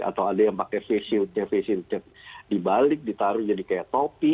atau ada yang pakai face shieldnya fashion dibalik ditaruh jadi kayak topi